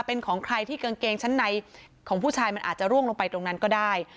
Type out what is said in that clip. เป็นของใครที่กางเกงชั้นในของผู้ชายมันอาจจะร่วงลงไปตรงนั้นก็ได้